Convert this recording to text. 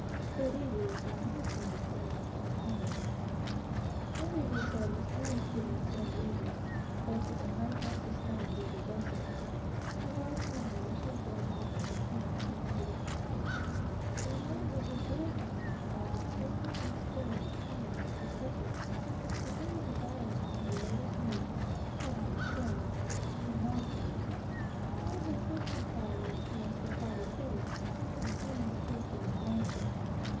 "Spread eagles" were a new kind of bird in California. Sunday, they said, was always given in San Diego, both at the hide houses and on board the vessels, a large number usually going up to the town, on liberty. We learned a good deal from them about curing and stowing of hides, etc. and they were anxious to have the latest news (seven months old) from Boston. One of their first inquiries was for Father Taylor, the seamen's preacher in Boston.